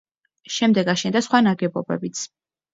შემდეგ აშენდა სხვა ნაგებობებიც.